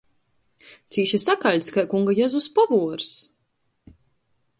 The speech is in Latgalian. Cīši sakaļts kai Kunga Jezus povuors!